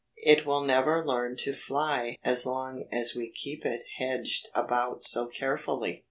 It will never learn to fly as long as we keep it hedged about so carefully.